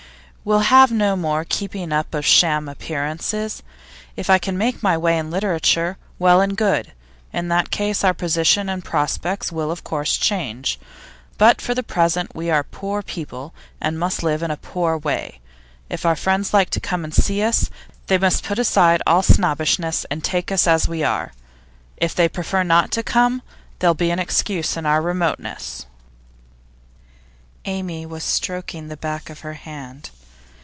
We'll have no more keeping up of sham appearances. If I can make my way in literature, well and good; in that case our position and prospects will of course change. But for the present we are poor people, and must live in a poor way. If our friends like to come and see us, they must put aside all snobbishness, and take us as we are. If they prefer not to come, there'll be an excuse in our remoteness.' Amy was stroking the back of her hand.